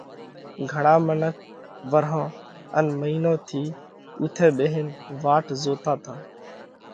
گھڻا منک ورهون ان مئِينون ٿِي اُوٿئہ ٻيهينَ واٽ زوتا تا،